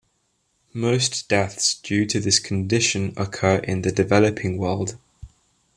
Most deaths due to this condition occur in the developing world.